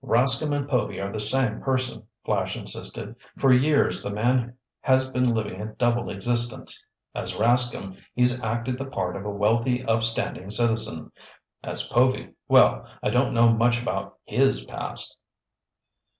"Rascomb and Povy are the same person," Flash insisted. "For years the man has been living a double existence. As Rascomb he's acted the part of a wealthy, upstanding citizen. As Povy—well, I don't know much about his past."